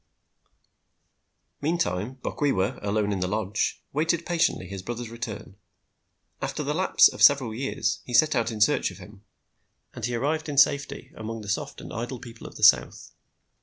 Meantime, Bokwewa, alone in the lodge, waited patiently his brother's return. After the lapse of several years he set out in search of him, and he arrived in safety among the soft and idle people of the South.